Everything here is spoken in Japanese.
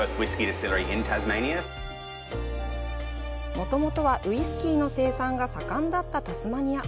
もともとはウイスキーの生産が盛んだったタスマニア。